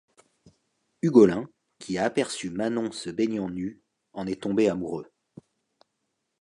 Ugolin, qui a aperçu Manon se baignant nue, en est tombé amoureux.